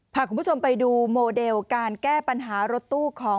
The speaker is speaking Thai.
พาคุณผู้ชมไปดูโมเดลการแก้ปัญหารถตู้ของ